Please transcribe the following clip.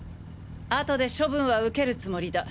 後で処分は受けるつもりだ。